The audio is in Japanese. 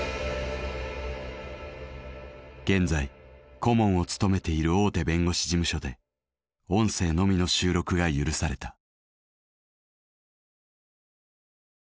現在顧問を務めている大手弁護士事務所で音声のみの収録が許された。